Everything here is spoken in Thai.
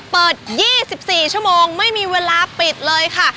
เปิด๒๔ชั่วโมงไม่มีเวลาปิดเลยค่ะ